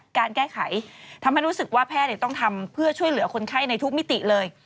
การแก้ไขทำให้รู้สึกว่าแพทย์ต้องทำเพื่อช่วยเหลือคนไข้ในทุกมิติเลย